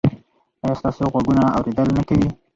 ایا ستاسو غوږونه اوریدل نه کوي؟